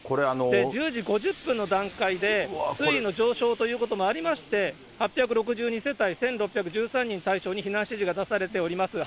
１０時５０分の段階で水位の上昇ということもありまして、８６２世帯１６１３人対象に避難指示が出されております。